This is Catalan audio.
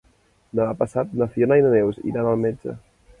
Demà passat na Fiona i na Neus iran al metge.